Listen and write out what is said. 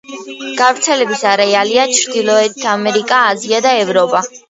გავრცელების არეალია: ჩრდილოეთი ამერიკა, აზია და ევროპა.